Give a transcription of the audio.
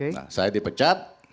nah saya dipecat